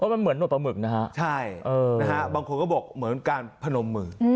มันเหมือนหนวดปลาหมึกนะฮะใช่นะฮะบางคนก็บอกเหมือนการพนมมือ